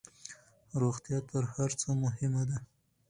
روغتيا تر هرڅه مهمه ده